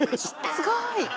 すごい。